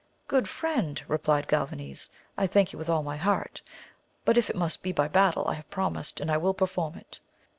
Good friend, replied Galvanes, I thank you with all my heart ; but if it must be by battle I have promised and I will perform it.